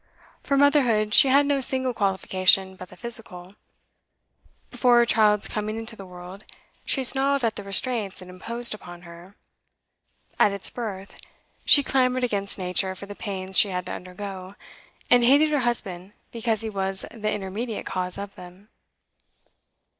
For motherhood she had no single qualification but the physical. Before her child's coming into the world, she snarled at the restraints it imposed upon her; at its birth, she clamoured against nature for the pains she had to undergo, and hated her husband because he was the intermediate cause of them.